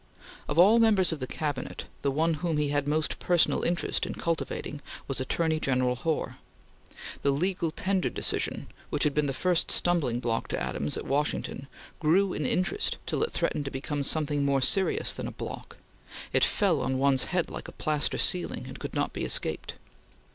Of all members of the Cabinet, the one whom he had most personal interest in cultivating was Attorney General Hoar. The Legal Tender decision, which had been the first stumbling block to Adams at Washington, grew in interest till it threatened to become something more serious than a block; it fell on one's head like a plaster ceiling, and could not be escaped.